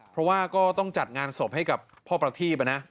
เพราะว่าก็ต้องจัดงานศพให้กับพ่อประทีบนะ